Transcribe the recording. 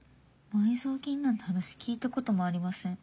「埋蔵金なんて話聞いたこともありません。